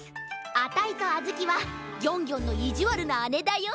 あたいとあずきはギョンギョンのいじわるなあねだよ。